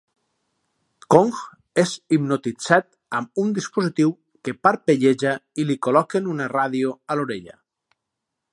Kong és hipnotitzat amb un dispositiu que parpelleja i li col·loquen una ràdio a l'orella.